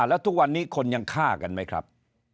แล้วทุกวันนี้คนยังฆ่ากันไหมครับ